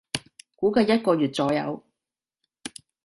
估計一個月左右